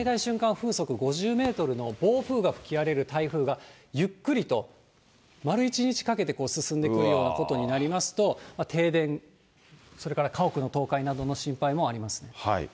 風速５０メートルの暴風が吹き荒れる台風が、ゆっくりと丸１日かけて進んでくるようなことになりますと、停電、それから家屋の倒壊などの心配もあります。